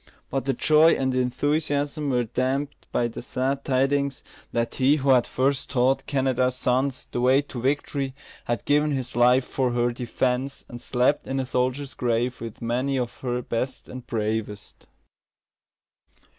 But the joy and enthusiasm were damped by the sad tidings, that he who had first taught Canada's sons the way to victory had given his life for her defence, and slept in a soldier's grave with many of her best and bravest.